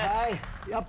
やっぱ。